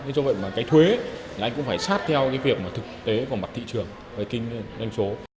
thế cho vậy mà cái thuế là anh cũng phải sát theo cái việc mà thực tế của mặt thị trường về kinh doanh số